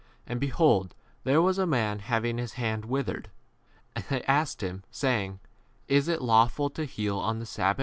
10 And, behold, there was a man having his J hand withered. And they asked him, saying, Is it law ful to heal on the sabbath